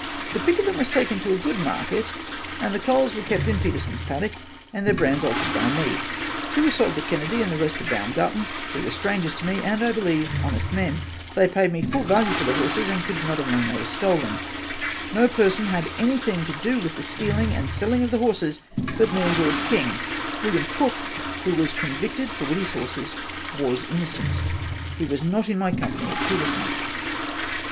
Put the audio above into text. the pick of them was taken to a good market and the culls were kept in Petersons paddock and their brands altered by me two was sold to Kennedy and the rest to Baumgarten who were strangers to me and I believe honest men. They paid me full value for the horses and could not have known they were stolen. no person had anything to do with the stealing and selling of the horses but me and George King. William Cooke who was convicted for Whittys horses was innocent he was not in my company at Petersons.